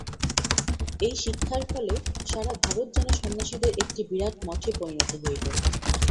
এই শিক্ষার ফলে সারা ভারত যেন সন্ন্যাসীদের একটি বিরাট মঠে পরিণত হইল।